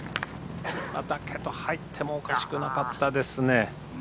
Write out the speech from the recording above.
だけど、入ってもおかしくなかったですね。